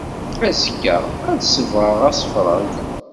Azekka ad tsebɣeḍ asefreg.